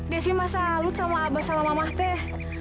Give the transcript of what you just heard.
desi masa lut sama abah sama mama teh